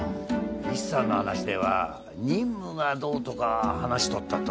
イシさんの話では任務がどうとか話しとったと。